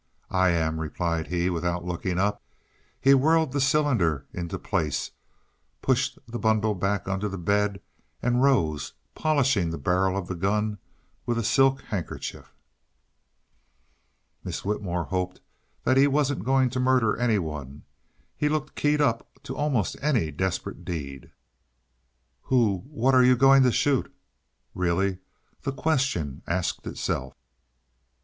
"I am," replied he, without looking up. He whirled the cylinder into place, pushed the bundle back under the bed and rose, polishing the barrel of the gun with a silk handkerchief. Miss Whitmore hoped he wasn't going to murder anyone; he looked keyed up to almost any desperate deed. "Who what are you going to shoot?" Really, the question asked itself.